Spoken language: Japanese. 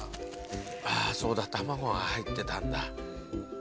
あぁそうだ卵が入ってたんだ。